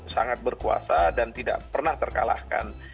sangat berkuasa dan tidak pernah terkalahkan